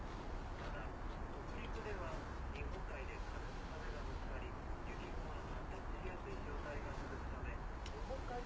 また北陸では日本海で風と風がぶつかり雪雲が発達しやすい状態が続くため。